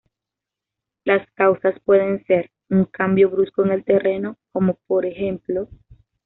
Las causas pueden ser: un cambio brusco en el terreno, como por ej.